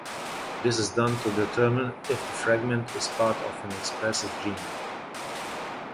This is done to determine if the fragment is part of an expressed gene.